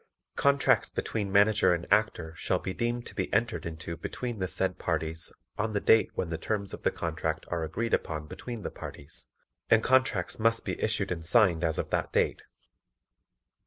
Contracts between Manager and Actor shall be deemed to be entered into between the said parties on the date when the terms of the contract are agreed upon between the parties, and contracts must be issued and signed as of that date.